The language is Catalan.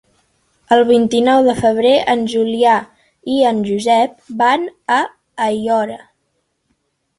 El vint-i-nou de febrer en Julià i en Josep van a Aiora.